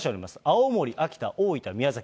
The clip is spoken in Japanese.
青森、秋田、大分、宮崎。